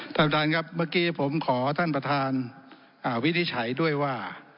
ท่านประธานครับเมื่อกี้ผมขอท่านประธานวินิจฉัยด้วยว่า